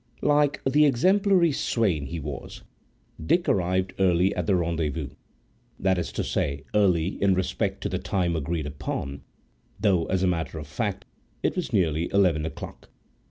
Like the exemplary swain he was, Dick arrived early at the rendezvous,—that is to say, early in respect to the time agreed upon, though, as a matter of fact, it was nearly eleven o'clock.